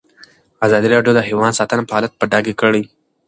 ازادي راډیو د حیوان ساتنه حالت په ډاګه کړی.